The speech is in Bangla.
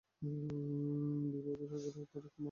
বিভা অধীর হইয়া কহিল, আর কি মার্জনা করিবেন না?